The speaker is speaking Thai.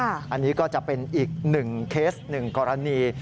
อันนี้ก็จะเป็นอีกหนึ่งเคส๑กรณี